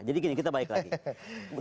jadi gini kita balik lagi